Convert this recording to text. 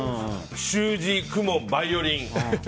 習字、公文、バイオリン。